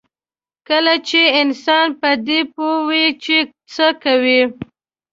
کله چې انسان په دې پوه وي چې څه کوي.